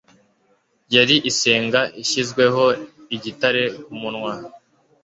Yari isenga ishyizweho igitare ku munwa.